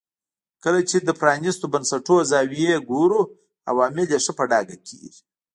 کله چې له پرانیستو بنسټونو زاویې ګورو عوامل یې ښه په ډاګه کېږي.